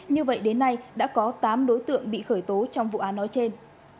như vậy đến nay đã có tám đối tượng bị khởi tố trong vụ án nói trên